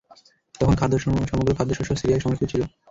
তখন সমগ্র খাদ্যশস্য সিরিয়ায় সংরক্ষিত ছিল।